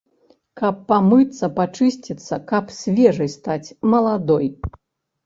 Каб памыцца, пачысціцца, каб свежай стаць, маладой.